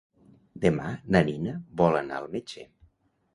Demà na Nina vol anar al metge.